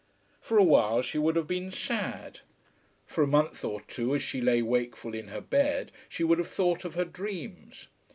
For a while she would have been sad. For a month or two, as she lay wakeful in her bed she would have thought of her dreams.